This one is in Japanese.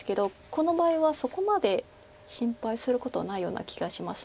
この場合はそこまで心配することはないような気がします。